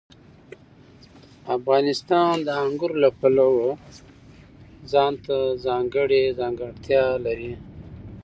افغانستان د انګورو له پلوه ځانته ځانګړې ځانګړتیا لري.